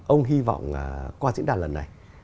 ông hy vọng qua diễn đàn lần này